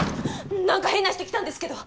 何か変な人来たんですけど。